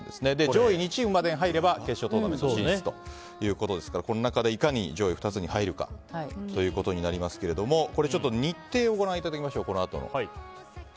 上位２チームまでに入れば決勝トーナメント進出ということですからこの中で、いかに上位２つに入るかということですがこのあとの日程をご覧いただきましょう。